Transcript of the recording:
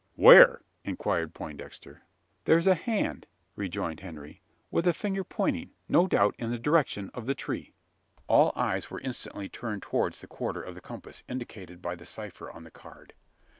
"Where?" inquired Poindexter. "There's a hand," rejoined Henry, "with a finger pointing no doubt in the direction of the tree." All eyes were instantly turned towards the quarter of the compass, indicated by the cipher on the card.